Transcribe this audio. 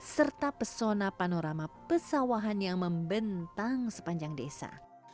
serta pesona panorama pesawahan yang membentang sepanjang desa